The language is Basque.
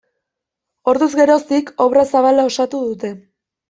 Orduz geroztik, obra zabala osatu du.